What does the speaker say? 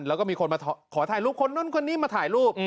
แล้วก็มีคนมาขอถ่ายรูปคนนู้นคนนี้มาถ่ายรูป